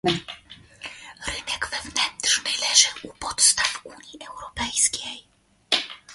Rynek wewnętrzny leży u podstaw Unii Europejskiej